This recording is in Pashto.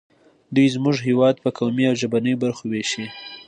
دوی زموږ هېواد په قومي او ژبنیو برخو ویشي